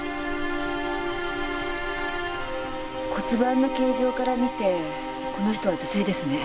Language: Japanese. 骨盤の形状から見てこの人は女性ですね。